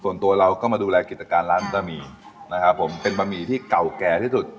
ส่วนตัวเราก็มาดูแลกิจการร้านบะหมี่นะครับผมเป็นบะหมี่ที่เก่าแก่ที่สุด